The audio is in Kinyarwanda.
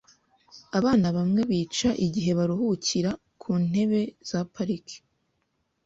Abantu bamwe bica igihe baruhukira ku ntebe za parike.